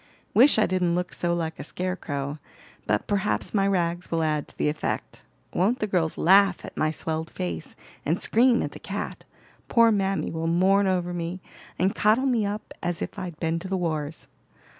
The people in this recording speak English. "Wish I didn't look so like a scare crow; but perhaps my rags will add to the effect. Won't the girls laugh at my swelled face, and scream at the cat. Poor mammy will mourn over me and coddle me up as if I'd been to the wars.